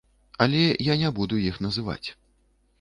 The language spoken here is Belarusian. Але я не буду іх называць.